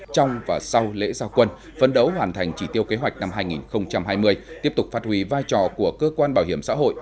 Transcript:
trong và sau lễ gia quân phấn đấu hoàn thành chỉ tiêu kế hoạch năm hai nghìn hai mươi tiếp tục phát huy vai trò của cơ quan bảo hiểm xã hội